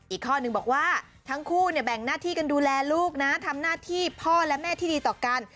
อีกข้อนึงบอกว่าทั้งคู่เนี่ยแบ่งหน้าที่กันดูแลลูกนะทำหน้าที่พ่อและแม่ที่ดีต่อกัน